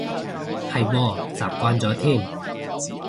係喎，習慣咗添